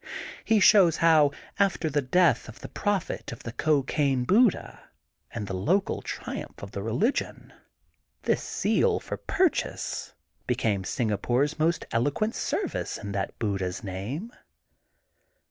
He shows how, after the death of the prophet of the Cocaine Buddha and the local triumph of the religion, this zeal for purchase became Singapore's most eloquent service in that Buddha 's name.